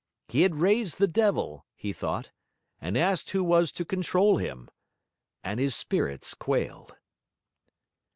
He had raised the devil, he thought; and asked who was to control him? and his spirits quailed.